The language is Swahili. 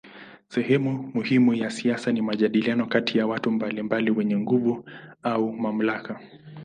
Sehemu muhimu ya siasa ni majadiliano kati ya watu mbalimbali wenye nguvu au mamlaka.